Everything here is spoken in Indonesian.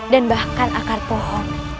dan bahkan akar pohon